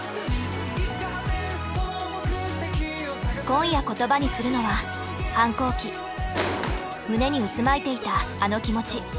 今夜言葉にするのは胸に渦巻いていたあの気持ち。